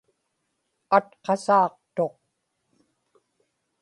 atqasaaqtuq